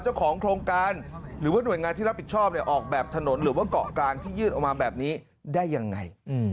เจ้าของโครงการหรือว่าหน่วยงานที่รับผิดชอบออกแบบถนนหรือว่าเกาะกลางที่ยืดออกมาแบบนี้ได้ยังไง